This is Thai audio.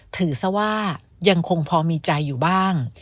ถือซะว่ายังคงพอมีใจอยู่บ้าง